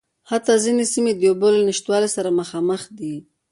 حتٰی ځينې سیمې د اوبو له نشتوالي سره مخامخ دي.